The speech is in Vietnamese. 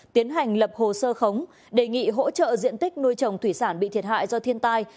tiến hành lập hồ sơ khống đề nghị hỗ trợ diện tích nuôi trồng thủy sản bị thiệt hại do thiên tai